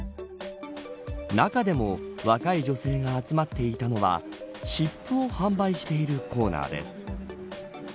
中でも、若い女性が集まっていたのは湿布を販売しているコーナーです。